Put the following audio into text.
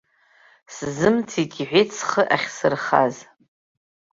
Сзымцеит, иҳәеит, схы ахьсырхаз!